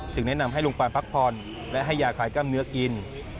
แนะนำให้ลุงปานพักผ่อนและให้ยาคลายกล้ามเนื้อกิน